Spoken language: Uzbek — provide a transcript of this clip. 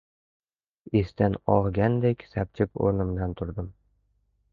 Esdan og‘gandek sapchib o‘rnimdan turdim.